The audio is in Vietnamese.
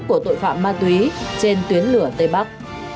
của tội phạm ma túy trên tuyến lửa tây bắc